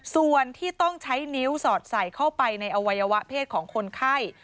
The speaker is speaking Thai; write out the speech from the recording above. ส่วนที่ต้องใช้นิ้วสอดใส่เข้าไปในอวัยวะเพศของคนไข้